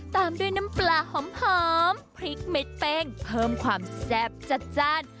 ตามด้วยน้ำปลาหอมพริกเม็ดเป้งเพิ่มความแซ่บจัดจ้าน